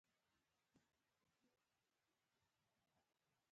احمدشاه بابا به د سولي خبرو ته لومړیتوب ورکاوه.